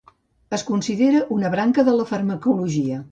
Es considera una branca de la farmacologia.